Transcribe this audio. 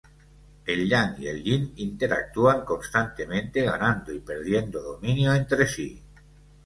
El yang y el yin interactúan constantemente, ganando y perdiendo dominio entre sí.